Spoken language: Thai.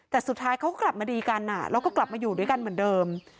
แต่สุดท้ายเขาก็กลับมาดีกันแล้วก็กลับมาอยู่ด้วยกันเหมือนเดิม